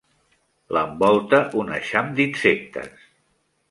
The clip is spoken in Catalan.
L'envolta un eixam d'insectes.